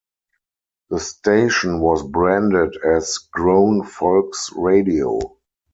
The station was branded as Grown Folks Radio.